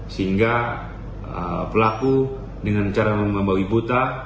sehingga pelaku dengan cara membawa ibu tak